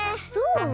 そう？